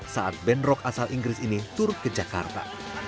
saat band rock asal inggris ini turut ke jakarta